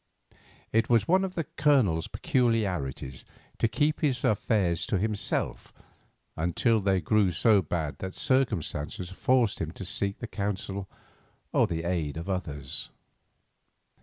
It was one of the Colonel's peculiarities to keep his affairs to himself until they grew so bad that circumstances forced him to seek the counsel or the aid of others.